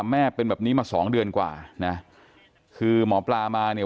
แม่เป็นแบบนี้มาสองเดือนกว่านะคือหมอปลามาเนี่ย